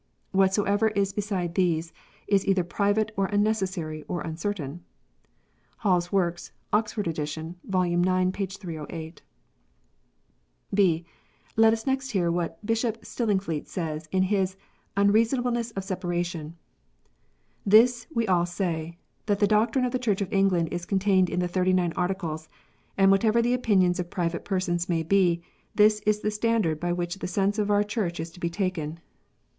Whatsoever is beside these, is either private, or unnecessary, or uncertain." Hall s Works. Oxford Edition. Vol. ix., p. 308. (1)) Let us hear next what Bishop Stillingfleet says in his Unreasonableness of Separation: "This we all say, that the doctrine of the Church of England is contained in the Thirty nine Articles ; and whatever the opinions of private persons may be, this is the standard by which the sense of our Church is to be taken."